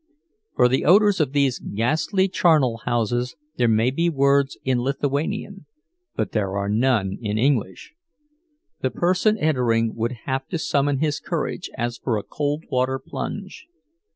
For the odors of these ghastly charnel houses there may be words in Lithuanian, but there are none in English. The person entering would have to summon his courage as for a cold water plunge.